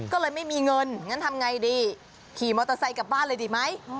ก็เลยไม่มีเงินงั้นทำไงดีขี่มอเตอร์ไซค์กลับบ้านเลยดีไหม